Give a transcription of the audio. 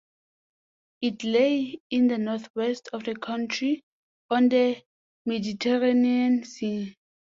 It lay in the northwest of the country, on the Mediterranean Sea.